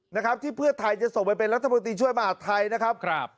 นะครับที่เพื่อไทยจะส่งไปเป็นรัฐมนตรีช่วยมหาดไทยนะครับครับ